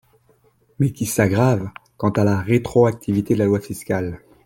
mais qui s’aggravent, quant à la rétroactivité de la loi fiscale.